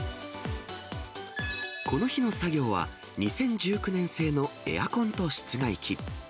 この日の作業は２０１９年製のエアコンと室外機。